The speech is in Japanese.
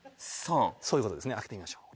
そういうことですね開けてみましょう。